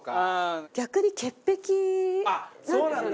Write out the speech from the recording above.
逆に潔癖なんですよね。